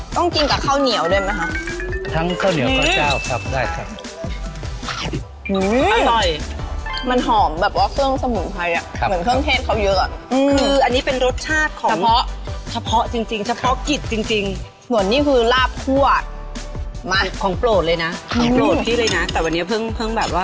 ต้องกินกับข้าวเหนียวด้วยไหมคะทั้งข้าวเหนียวก็จะออกทรัพย์ได้ครับ